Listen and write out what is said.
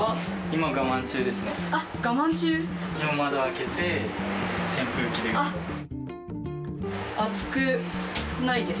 今、窓を開けて、扇風機で。